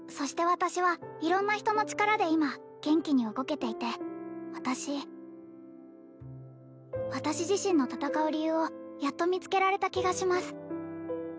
私は色んな人の力で今元気に動けていて私私自身の戦う理由をやっと見つけられた気がします